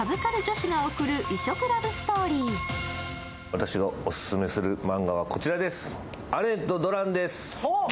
私がお勧めするマンガはこちらです。